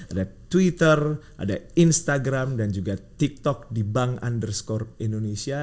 ada twitter ada instagram dan juga tiktok di bank underscore indonesia